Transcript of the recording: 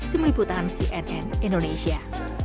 di meliputan cnn indonesia